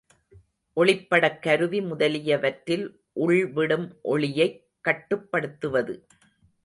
ஒளிப்படக்கருவி முதலியவற்றில் உள்விடும் ஒளியைக் கட்டுப்படுத்துவது.